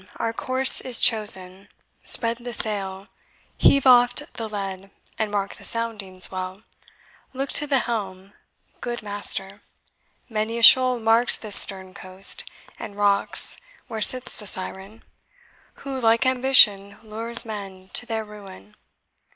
Well, then our course is chosen spread the sail Heave oft the lead, and mark the soundings well Look to the helm, good master many a shoal Marks this stern coast, and rocks, where sits the Siren, Who, like ambition, lures men to their ruin.